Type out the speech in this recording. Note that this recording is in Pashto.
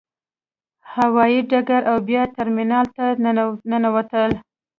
هوايي ډګر او بیا ترمینال ته ننوتو.